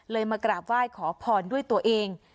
มากราบไหว้ขอพรด้วยตัวเอง